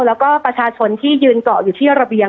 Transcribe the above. แล้วก็ประชาชนที่ยืนเกาะอยู่ที่ระเบียง